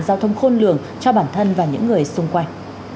giao thông khôn lường cho bản thân và những người xung quanh